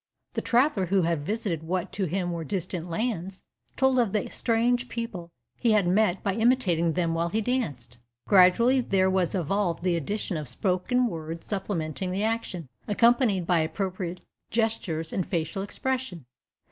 The traveller who had visited what to him were distant lands, told of the strange people he had met by imitating them while he danced. Gradually there was evolved the addition of spoken words supplementing the action, accompanied by appropriate gestures and facial expression.